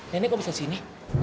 nenek kau bisa sini